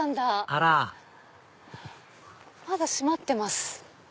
あらまだ閉まってます。